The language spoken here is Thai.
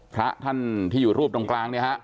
พระท่านที่อยู่รูปตรงกลางเนี่ยฮะ